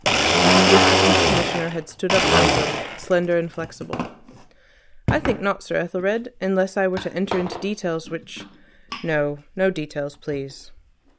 The Assistant Commissioner had stood up also, slender and flexible. "I think not, Sir Ethelred, unless I were to enter into details which—" "No. No details, please."